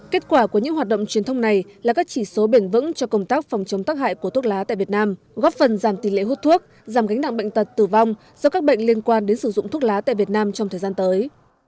kết quả của những hoạt động truyền thông này là các chỉ số bền vững cho công tác phòng chống tắc hại của thuốc lá tại việt nam góp phần giảm tỷ lệ hút thuốc giảm gánh nặng bệnh tật tử vong do các bệnh liên quan đến sử dụng thuốc lá tại việt nam trong thời gian tới